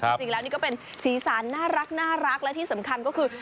จริงแล้วนี่ก็เป็นสีสันน่ารักและที่สำคัญก็คือ